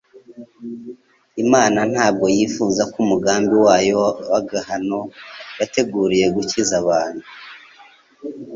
Imana ntabwo yifuza ko umugambi wayo w'agahano yateguriye gukiza abantu,